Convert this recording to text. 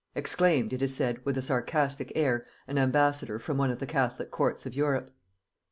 exclaimed, it is said, with a sarcastic air, an ambassador from one of the catholic courts of Europe.